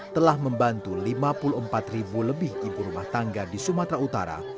telah membantu lima puluh empat ribu lebih ibu rumah tangga di sumatera utara